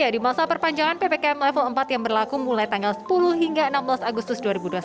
di masa perpanjangan ppkm level empat yang berlaku mulai tanggal sepuluh hingga enam belas agustus dua ribu dua puluh satu